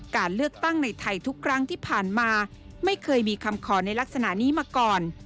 การเลือกตั้งในไทยทุกครั้งที่ผ่านมาไม่เคยมีคำขอในลักษณะนี้มาก่อน